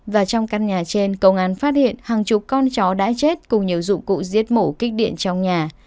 và trong căn nhà trên công an phát hiện hàng chục con chó đã chết cùng nhiều dụng cụ giết mổ kích điện trong nhà